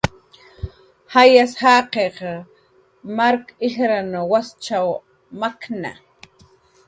Jayas jaqiq mark ijrna waschan makna